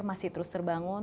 masih terus terbangun